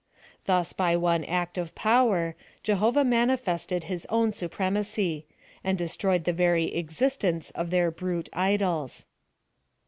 Thus by one act of power, Jehovah mciiifested his own supremacy, and destroyed the very existence of their brute idols.